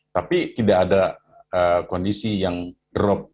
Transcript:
tapi tidak ada kondisi yang drop